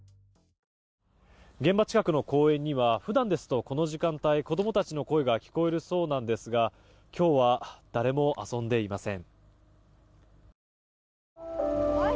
現場近くの公園には普段ですと、この時間帯子どもたちの声が聞こえるそうなんですが今日は誰も遊んでいません。